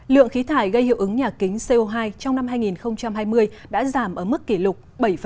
lượng khí thải gây hiệu ứng nhà kính co hai trong năm hai nghìn hai mươi đã giảm ở mức kỷ lục bảy